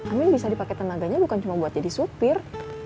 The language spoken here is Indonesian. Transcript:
amin bisa dipakai tenaganya bukan cuma buat jadi supir